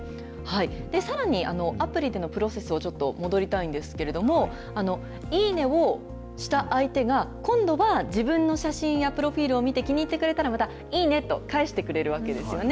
さらに、アプリでのプロセスを、ちょっと戻りたいんですけれども、いいねをした相手が、今度は自分の写真やプロフィールを見て気に入ってくれたら、またいいねと返してくれるわけですよね。